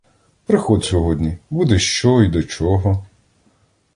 Приходь сьогодні, буде що й до чого!